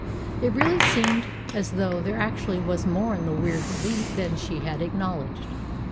It really seemed as though there actually was more in the weird belief than she had acknowledged.